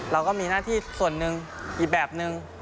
เราก็มีหน้าที่ส่วนหนึ่งอีกแบบนึง